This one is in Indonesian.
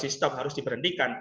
di stop harus diberhentikan